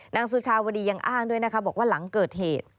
สุชาวดียังอ้างด้วยนะคะบอกว่าหลังเกิดเหตุ